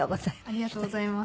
ありがとうございます。